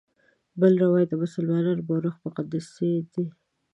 بل روایت د مسلمان مورخ مقدسي دی.